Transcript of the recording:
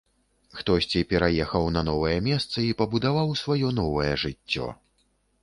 Хтосьці пераехаў на новае месца і пабудаваў сваё новае жыццё.